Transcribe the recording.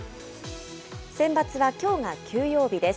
センバツはきょうが休養日です。